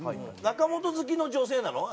中本好きの女性なの？